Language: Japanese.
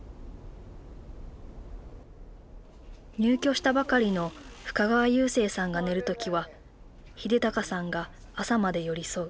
入居したばかりの深川勇成さんが寝る時は英尚さんが朝まで寄り添う。